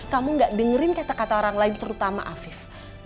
kamu gak dengerin kata kata orang lain terutama afif